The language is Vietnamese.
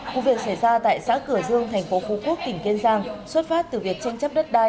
cụ việc xảy ra tại xã cửa dương thành phố phú quốc tỉnh kiên giang xuất phát từ việc tranh chấp đất đai